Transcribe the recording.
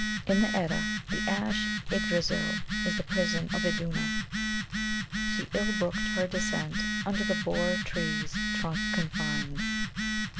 In the Eclda the Ash Yggdrasil is the prison of Iduna. " She ill brooked her descent under the hoar tree s trunk confined."